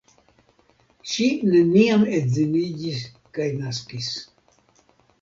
Ŝi neniam edziniĝis kaj naskis.